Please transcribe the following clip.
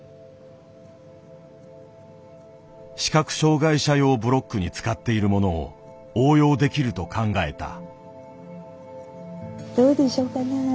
視覚障害者用ブロックに使っているものを応用できると考えた。